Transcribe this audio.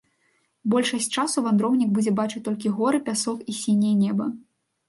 Большасць часу вандроўнік будзе бачыць толькі горы, пясок і сіняе неба.